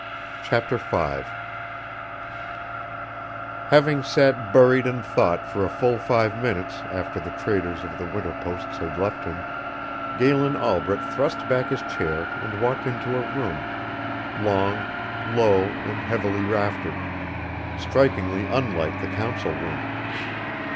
Chapter Five Having sat buried in thought for a full five minutes after the traders of the winter posts had left him, Galen Albret thrust back his chair and walked into a room, long, low, and heavily raftered, strikingly unlike the Council Room.